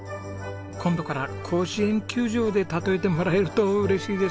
今度から甲子園球場で例えてもらえると嬉しいです。